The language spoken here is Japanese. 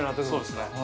◆そうですね。